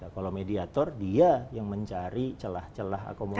kalau mediator dia yang mencari celah celah akomodasi